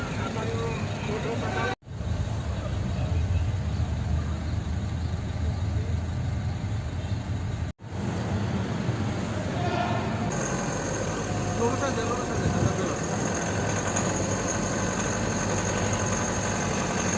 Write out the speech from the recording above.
jangan lupa like share dan subscribe ya